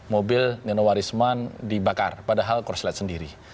mobil nino warisman dibakar padahal kurslet sendiri